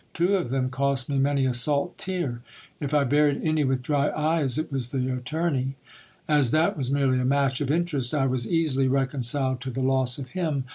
Two of them cost me many a salt tear. If I buried any with dry eyes, it was the attorney. As that was merely a match of interest, I was easily reconciled to the loss of him.